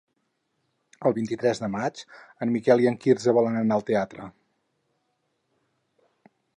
El vint-i-tres de maig en Miquel i en Quirze volen anar al teatre.